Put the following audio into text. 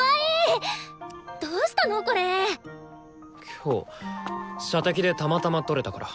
今日射的でたまたま取れたから。